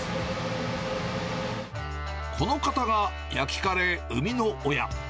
この方が焼きカレー生みの親。